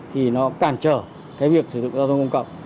thì nó cản trở cái việc sử dụng giao thông công cộng